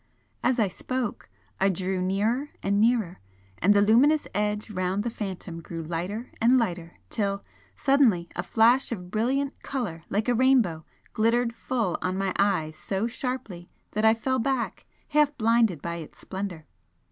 As I spoke I drew nearer and nearer and the luminous edge round the Phantom grew lighter and lighter, till suddenly a flash of brilliant colour like a rainbow glittered full on my eyes so sharply that I fell back, half blinded by its splendour.